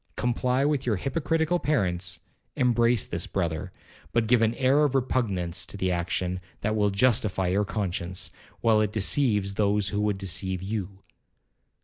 Comply with your hypocritical parents, embrace this brother, but give an air of repugnance to the action that will justify your conscience, while it deceives those who would deceive you.